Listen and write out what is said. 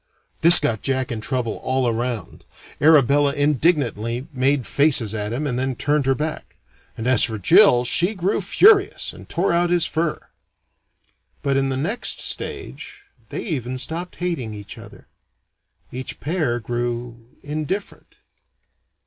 This got Jack in trouble all around. Arabella indignantly made faces at him and then turned her back; and as for Jill, she grew furious, and tore out his fur. But in the next stage, they even stopped hating each other. Each pair grew indifferent.